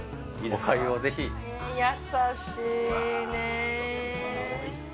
優しいね。